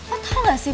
oh tau gak sih